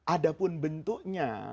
ada pun bentuknya